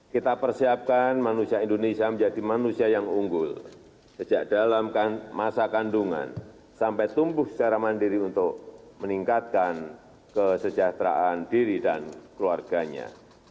kita persiapkan manusia indonesia menjadi manusia yang unggul sejak dalam masa kandungan sampai tumbuh secara mandiri untuk meningkatkan kesejahteraan diri dan keluarganya